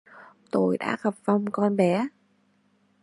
Tôi đã gặp vong con bé